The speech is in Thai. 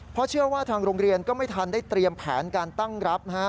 เพราะเชื่อว่าทางโรงเรียนก็ไม่ทันได้เตรียมแผนการตั้งรับ